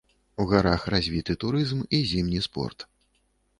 У гарах развіты турызм і зімні спорт.